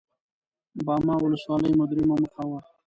باما ولسوالي مو درېيمه موخه وه.